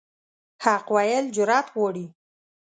حق ویل جرأت غواړي.